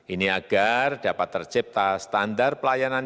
ini agar dapat tercipta standar pelayanan